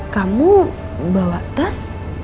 kamu bawa tes